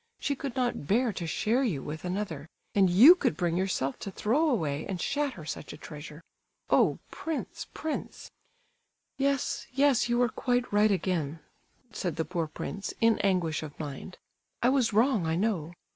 She could not bear to share you with another; and you could bring yourself to throw away and shatter such a treasure! Oh, prince, prince!" "Yes, yes, you are quite right again," said the poor prince, in anguish of mind. "I was wrong, I know.